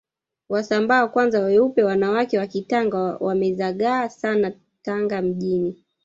Wasambaa kwanza weupe wanawake wa kitanga wamezagaa Sana Tanga mjini